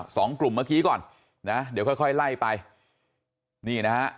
สองกลุ่มเมื่อกี้ก่อนนะเดี๋ยวค่อยค่อยไล่ไปนี่นะฮะ